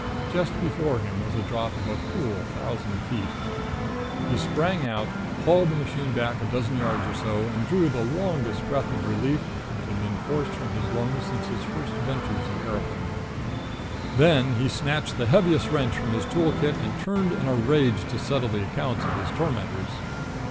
Just before him was a drop of a cool thousand feet. He sprang out, hauled the machine back a dozen yards or so, and drew the longest breath of relief that had been forced from his lungs since his first ventures in aeroplaning. Then he snatched the heaviest wrench from his tool kit and turned in a rage to settle accounts with his tormentors.